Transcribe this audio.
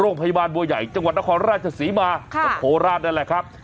โรงพยาบาลบัวใหญ่จังหวัดนครราชศรีมากับโคราชนั่นแหละครับ